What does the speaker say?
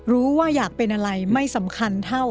รู้ว่าอยากเป็นอะไรไม่สำคัญเท่า